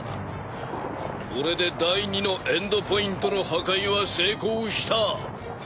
これで第二のエンドポイントの破壊は成功した。